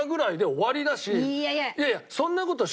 いやいや！